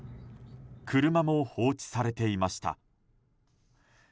車も放置されていました。